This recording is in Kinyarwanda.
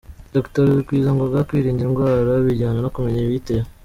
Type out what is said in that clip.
Dr Rugwizangoga: Kwirinda indwara bijyana no kumenya ibiyitera.